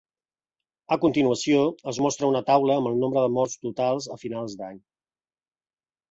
A continuació es mostra una taula amb el nombre de morts totals a final d'any.